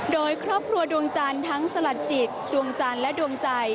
โดยครอบครัวดวงจันทร์ทั้งสลัดจิตจวงจันทร์และดวงใจ